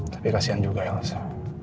tapi kasihan juga elsa